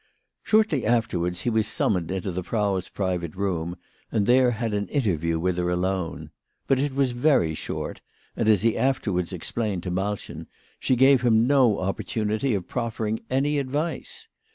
Shortly afterwards he was summoned into the Frau's private room, and there had an interview with her alone. But it was very short ; and, as he afterwards explained to Malchen, she gave him no opportunity of proffering any advice.